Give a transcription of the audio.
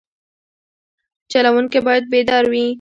چلوونکی باید بیدار وي.